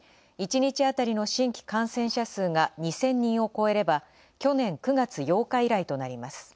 １日あたりの新規感染者数が２０００人を超えれば去年９月８日以来となります。